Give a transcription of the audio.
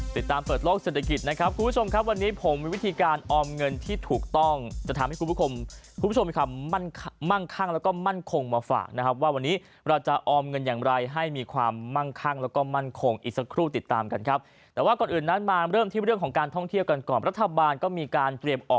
เปิดโลกเศรษฐกิจนะครับคุณผู้ชมครับวันนี้ผมมีวิธีการออมเงินที่ถูกต้องจะทำให้คุณผู้ชมคุณผู้ชมมีความมั่นมั่งคั่งแล้วก็มั่นคงมาฝากนะครับว่าวันนี้เราจะออมเงินอย่างไรให้มีความมั่งคั่งแล้วก็มั่นคงอีกสักครู่ติดตามกันครับแต่ว่าก่อนอื่นนั้นมาเริ่มที่เรื่องของการท่องเที่ยวกันก่อนรัฐบาลก็มีการเตรียมอ